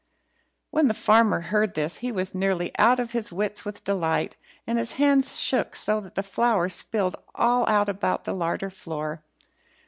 When the farmer heard this he was nearly out of his wits with delight, and his hands shook so that the flour spilled all about the larder floor.